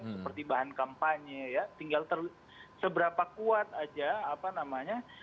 seperti bahan kampanye ya tinggal seberapa kuat aja apa namanya